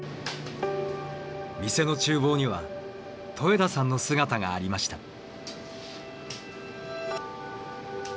店の厨房には戸枝さんの姿がありました。